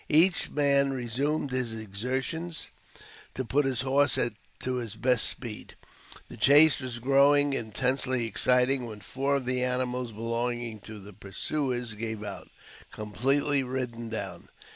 Each man resumed his exertions to put his horse to his best speed. The chase was growing intensely exciting when four of the animals belonging to the pursuers gave out, completely ridden down.